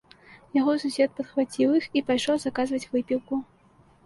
Яго сусед падхваціў іх і пайшоў заказваць выпіўку.